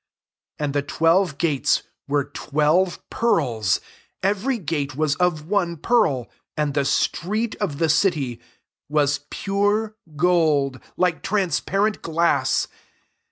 21 And the twelve gates vtere twelve pearls : every gate was of one pearl : and the street of the city waa pure gold, liko transparent glass.